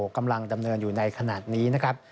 กำลังดำเนินอยู่ในขณะนี้นะครับ